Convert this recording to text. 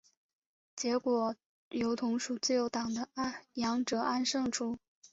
结果由同属自由党的杨哲安胜出。